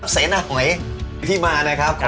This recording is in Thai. เสียหน้าหอยที่มานะครับ